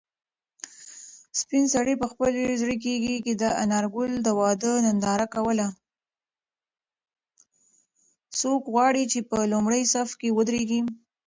څوک غواړي چې په لومړي صف کې ودریږي؟